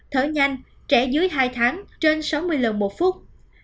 thở nhanh trẻ dưới hai tháng trên sáu mươi lần một phút